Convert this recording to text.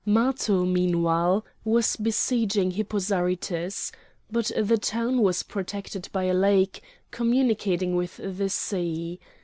Matho, meanwhile, was besieging Hippo Zarytus. But the town was protected by a lake, communicating with the sea.